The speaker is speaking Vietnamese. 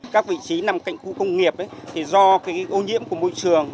các vị trí nằm cạnh khu công nghiệp thì do ô nhiễm của môi trường